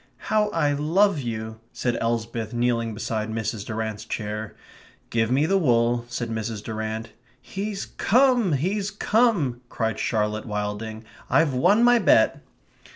"How I love you!" said Elsbeth, kneeling beside Mrs. Durrant's chair. "Give me the wool," said Mrs. Durrant. "He's come he's come!" cried Charlotte Wilding. "I've won my bet!"